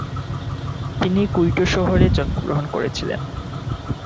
তিনি কুইটো শহরে জন্মগ্রহণ করেছিলেন।